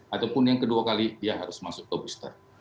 ataupun yang kedua kali dia harus masuk ke booster